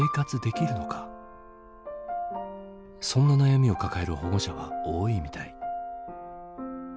そんな悩みを抱える保護者は多いみたい。